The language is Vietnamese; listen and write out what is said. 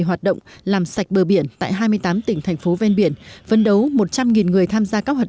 hoạt động làm sạch bờ biển tại hai mươi tám tỉnh thành phố ven biển vấn đấu một trăm linh người tham gia các hoạt